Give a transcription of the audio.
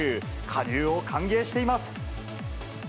加入を歓迎しています。